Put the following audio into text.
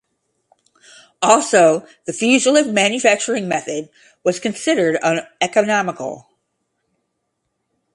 Also the fuselage manufacturing-method was considered uneconomical.